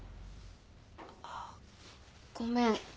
あっごめん。